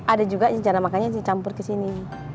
ada juga cara makannya dicampur ke sini